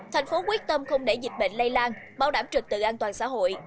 thành phố quyết tâm không để dịch bệnh lây lan bảo đảm trực tự an toàn xã hội